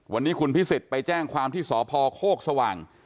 วันนี้คุณพิสิทธิ์ไปแจ้งความที่สพโคกสว่าง